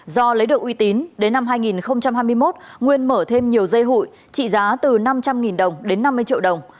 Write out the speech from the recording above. do lấy được uy tín đến năm hai nghìn hai mươi một nguyên mở thêm nhiều dây hụi trị giá từ năm trăm linh đồng đến năm mươi triệu đồng